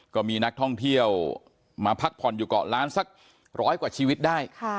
ก็มีนักท่องเที่ยวมาพักผ่อนอยู่เกาะล้านสักร้อยกว่าชีวิตได้